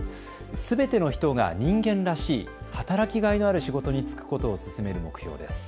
すべての人が人間らしい働きがいがある仕事に就くことを進める目標です。